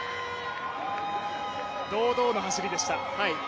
堂々の走りでした。